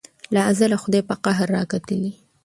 له ازله خدای په قهر را کتلي